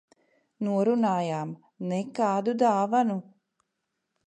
Norunājām - nekādu dāvanu.